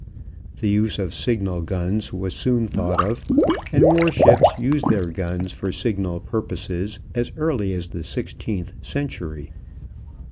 The use of signal guns was soon thought of, and war ships used their guns for signal purposes as early as the sixteenth century.